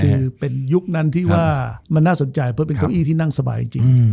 คือเป็นยุคนั้นที่ว่ามันน่าสนใจเพราะเป็นเก้าอี้ที่นั่งสบายจริง